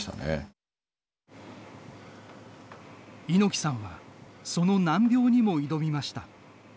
猪木さんはその難病にも挑みました。